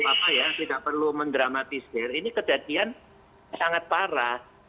ini kita tidak perlu mendramatisir ini kejadian sangat parah